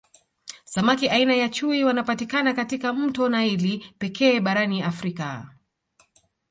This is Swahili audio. Samaki aina ya chui wanapatikana katika mto naili pekee barani Africa